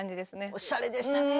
おしゃれでしたね。